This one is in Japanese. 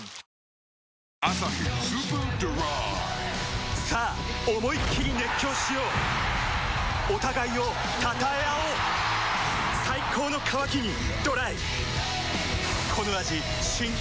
「アサヒスーパードライ」さあ思いっきり熱狂しようお互いを称え合おう最高の渇きにＤＲＹ